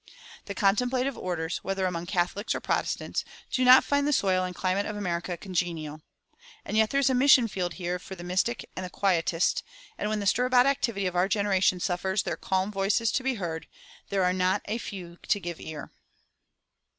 "The contemplative orders," whether among Catholics or Protestants, do not find the soil and climate of America congenial. And yet there is a mission field here for the mystic and the quietist; and when the stir about activity of our generation suffers their calm voices to be heard, there are not a few to give ear.